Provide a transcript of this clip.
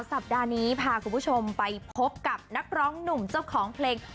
สัปดาห์นี้พาคุณผู้ชมไปพบกับนักร้องหนุ่มเจ้าของเพลง